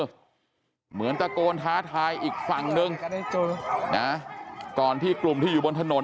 เหมือนตะโกนท้าทายอีกฝั่งนึงนะก่อนที่กลุ่มที่อยู่บนถนน